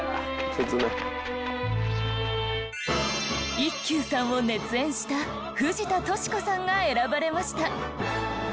一休さんを熱演した藤田淑子さんが選ばれました。